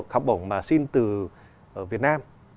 học bổng mà xin từ việt nam